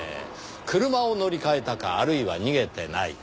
車を乗り換えたかあるいは逃げてないか。